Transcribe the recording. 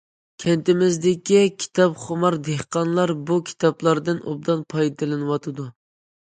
كەنتىمىزدىكى كىتابخۇمار دېھقانلار بۇ كىتابلاردىن ئوبدان پايدىلىنىۋاتىدۇ.